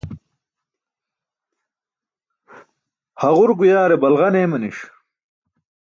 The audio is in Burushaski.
Haġur guyaare balġan eemani̇ṣ.